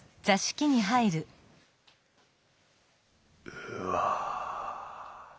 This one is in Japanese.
うわ。